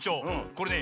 これね